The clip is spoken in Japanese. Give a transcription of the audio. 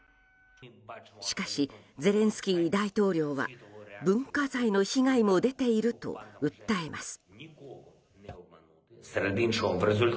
しかし、ゼレンスキー大統領は文化財の被害も出ていると訴えます。